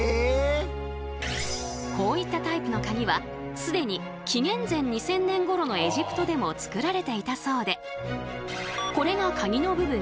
こういったタイプのカギは既に紀元前２０００年ごろのエジプトでも作られていたそうでこれがカギの部分。